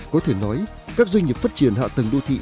có thể nói các doanh nghiệp phát triển hạ tầng đô thị